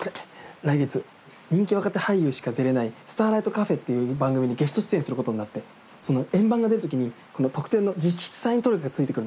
来月人気若手俳優しか出れない「スターライトカフェ」っていう番組にゲスト出演することになってその円盤が出るときにこの特典の直筆サイン入りトレカが付いてくるの。